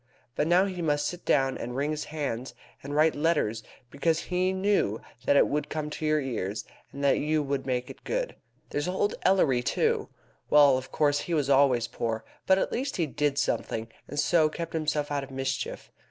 But now he must sit down, and wring his hands, and write letters, because he knew that it would come to your ears, and that you would make it good. There's old Ellary, too! Well, of course he was always poor, but at least he did something, and so kept himself out of mischief.